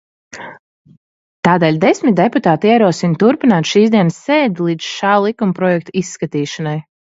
Tādēļ desmit deputāti ierosina turpināt šīsdienas sēdi līdz šā likumprojekta izskatīšanai.